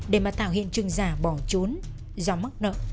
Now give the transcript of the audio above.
để mà tạo hiện trường giả bỏ trốn do mắc nợ